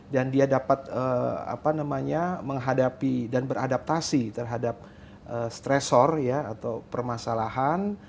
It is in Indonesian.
dan dia dapat menghadapi dan beradaptasi terhadap stresor atau permasalahan